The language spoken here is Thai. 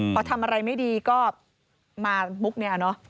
พอทำอะไรไม่ดีก็มามุกเนี่ยเนอะ